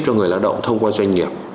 cho người lao động thông qua doanh nghiệp